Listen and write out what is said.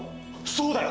そうだよ！